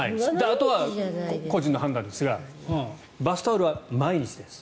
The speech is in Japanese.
あとは個人の判断ですがバスタオルは毎日です。